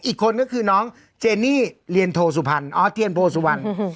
อีกคนก็คือน้องเจนี่เรียนโทสุพรรณออสเทียนโพสุวรรณ